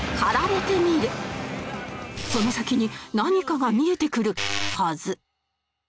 その先に何かが見えてくるはず